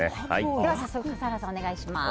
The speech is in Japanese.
では早速笠原さん、お願いします。